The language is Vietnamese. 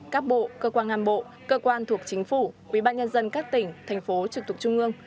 các bộ cơ quan ngang bộ cơ quan thuộc chính phủ ubnd các tỉnh thành phố trực tục trung ương